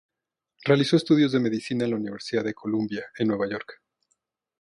Realizó estudios de Medicina en la Universidad de Columbia, en Nueva York.